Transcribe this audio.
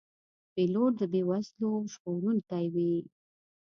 پیلوټ د بې وزلو ژغورونکی وي.